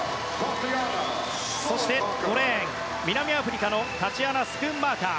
そして、５レーン南アフリカのタチアナ・スクンマーカー。